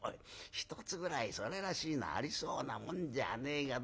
１つぐらいそれらしいのありそうなもんじゃねえかどうも。